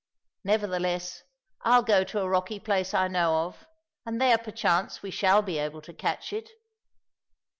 Nevertheless, I'll go to a rocky place I know of, and there perchance we shall be able to catch it."